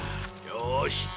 よし！